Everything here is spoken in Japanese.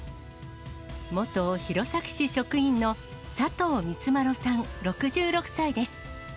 元弘前市職員の、佐藤光麿さん６６歳です。